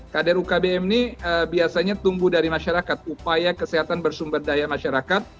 kader ukbm ini biasanya tumbuh dari masyarakat upaya kesehatan bersumber daya masyarakat